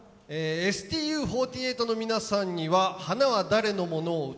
ＳＴＵ４８の皆さんには「花は誰のもの？」を歌って頂きます。